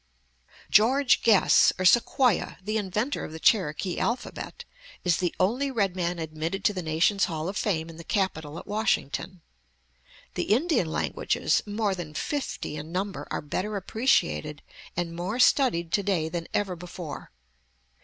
George Guess, or Sequoyah, the inventor of the Cherokee alphabet, is the only red man admitted to the nation's Hall of Fame in the Capitol at Washington. The Indian languages, more than fifty in number, are better appreciated and more studied to day than ever before.